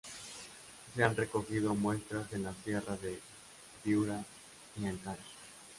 Se han recogido muestras en la sierra de Piura y Áncash.